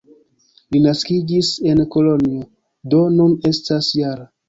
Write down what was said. Li naskiĝis en Kolonjo, do nun estas -jara.